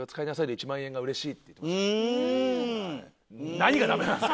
何がダメなんですか！